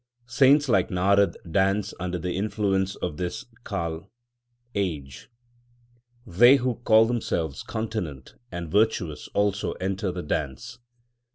Saints like Narad dance under the influence of this Kal age. 3 They who call themselves continent and virtuous also enter the dance.